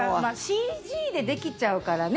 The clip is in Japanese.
ＣＧでできちゃうからね